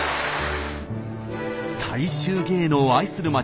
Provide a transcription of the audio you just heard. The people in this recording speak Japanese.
大衆芸能を愛する街